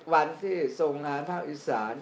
๓๐วันที่ทรงงานอีสาน